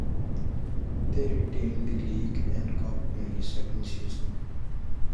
They retained the League and Cup in his second season.